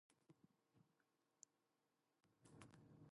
Officially, the cause of the crash was pilot error on behalf of the soloist.